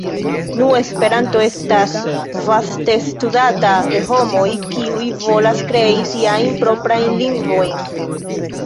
Nu, Esperanto estas vaste studata de homoj, kiuj volas krei siajn proprajn lingvojn.